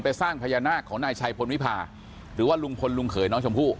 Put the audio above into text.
สร้างพญานาคของนายชัยพลวิพาหรือว่าลุงพลลุงเขยน้องชมพู่